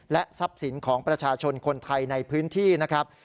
ทรัพย์สินของประชาชนคนไทยในพื้นที่นะครับ